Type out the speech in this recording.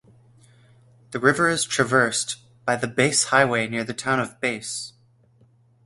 The river is traversed by the Bass Highway near the town of Bass.